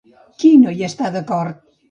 Qui no hi està d'acord?